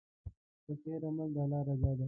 د خیر عمل د الله رضا ده.